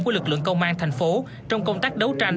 của lực lượng công an thành phố trong công tác đấu tranh